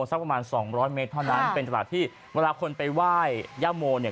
สักประมาณสองร้อยเมตรเท่านั้นเป็นตลาดที่เวลาคนไปไหว้ย่าโมเนี่ย